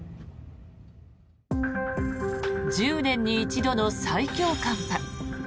１０年に一度の最強寒波。